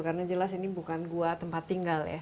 karena jelas ini bukan gua tempat tinggal